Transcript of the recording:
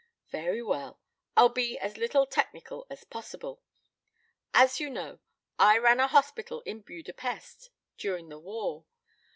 "Very well. I'll be as little technical as possible. ... As you know, I ran a hospital in Buda Pesth during the war.